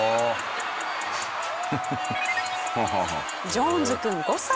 ジョーンズ君５歳。